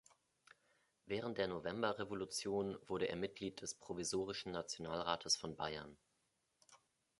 Während der Novemberrevolution wurde er Mitglied des provisorischen Nationalrates von Bayern.